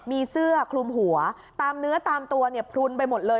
มีเสื้อคลุมหัวตามเนื้อตามตัวเนี่ยพลุนไปหมดเลย